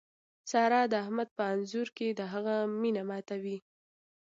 سارا د احمد په انځور د هغه مینه ماتوي.